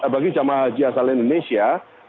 bagi jemaah haji asal indonesia